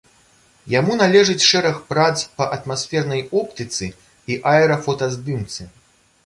Яму належыць шэраг прац па атмасфернай оптыцы і аэрафотаздымцы.